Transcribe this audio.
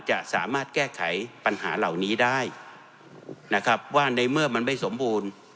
จะสามารถแก้ไขปัญหาเหล่านี้ได้นะครับว่าในเมื่อมันไม่สมบูรณ์